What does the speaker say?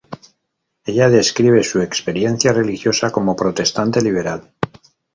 Ella describe su experiencia religiosa como protestante liberal.